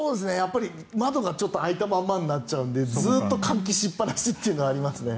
窓がちょっと開いたままになっちゃうのでずっと換気しっぱなしというのはありますね。